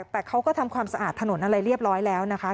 แต่เขาก็ทำความสะอาดถนนอะไรเรียบร้อยแล้วนะคะ